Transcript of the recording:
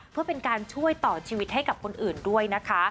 เพื่อเป็นการช่วยต่อชีวิตให้กับคนอื่นด้วยนะคะ